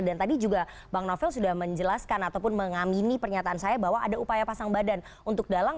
tadi juga bang novel sudah menjelaskan ataupun mengamini pernyataan saya bahwa ada upaya pasang badan untuk dalang